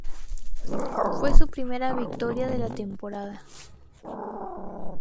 Fue su primera victoria de la temporada.